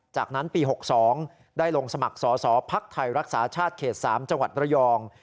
จากนั้นปี๑๙๖๒ได้ลงสมัครสอสอภัคไทยรักษาชาติเขต๓จระยอง